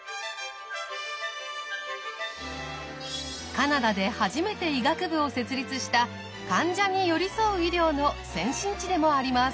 カナダで初めて医学部を設立した「患者に寄り添う医療」の先進地でもあります。